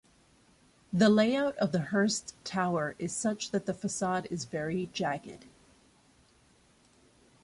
The layout of the Hearst Tower is such that the facade is very jagged.